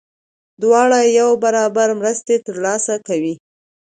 دواړه یو برابر مرستې ترلاسه کوي.